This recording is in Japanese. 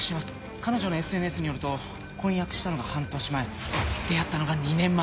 彼女のＳＮＳによると婚約したのが半年前出会ったのが２年前。